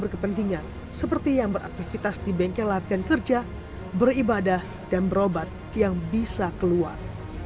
berkepentingan seperti yang beraktivitas di bengkel latihan kerja beribadah dan berobat yang bisa keluar